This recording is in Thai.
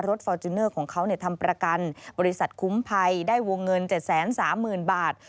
ฟอร์จูเนอร์ของเขาทำประกันบริษัทคุ้มภัยได้วงเงิน๗๓๐๐๐บาท